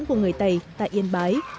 của người tây tại yên bái